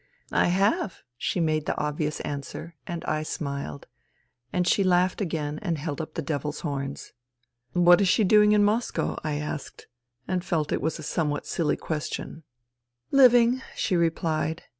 " I have," she made the obvious answer and I smiled, and she laughed and again held up the devil's horns. " What is she doing in Moscow ?" I asked, and felt it was a somewhat silly question. " Living," she replied.